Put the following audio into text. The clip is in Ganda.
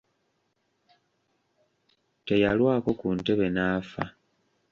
Teyalwako ku ntebe n'afa.